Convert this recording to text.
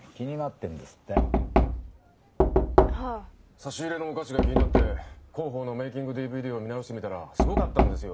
差し入れのお菓子が気になって広報のメイキングＤＶＤを見直してみたらすごかったんですよ。